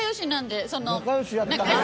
仲良しやったんや。